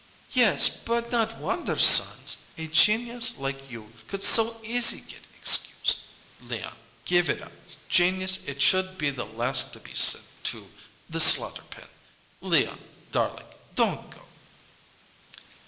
"Yes, but not wonder sons! A genius like you could so easy get excused, Leon. Give it up. Genius it should be the last to be sent to the slaughter pen. Leon darlink don't go!"